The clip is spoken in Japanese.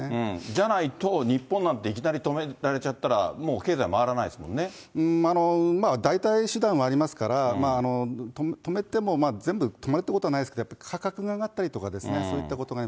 じゃないと、日本なんていきなり止められちゃったら、もう経済回らないですも代替手段はありますから、止めても全部止めるってことはないですけど、価格が上がったりですとか、そういったことが。